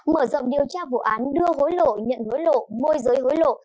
mở rộng điều tra vụ án đưa hối lộ nhận hối lộ môi giới hối lộ